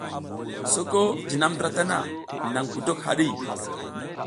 Soko jinam ndra tana naƞ gudok haɗi.